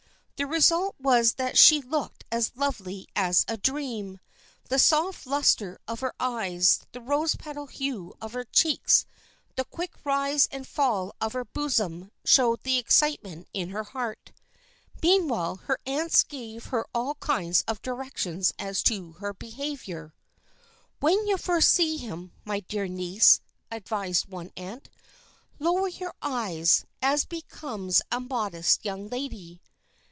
The result was that she looked as lovely as a dream. The soft lustre of her eyes, the rose petal hue of her cheeks, the quick rise and fall of her bosom, showed the excitement in her heart. Meanwhile her aunts gave her all kinds of directions as to her behavior. "When you first see him, my dear niece," advised one aunt, "lower your eyes, as becomes a modest young lady."